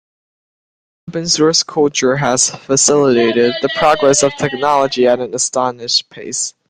Open source culture has facilitated the progress of technology at an astonishing pace.